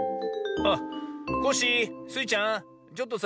あっコッシースイちゃんちょっとさ